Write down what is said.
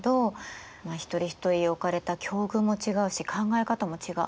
一人一人置かれた境遇も違うし考え方も違う。